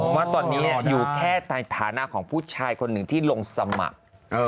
ว่าตอนนี้อยู่แค่ในฐานะของผู้ชายคนหนึ่งที่ลงสมัคร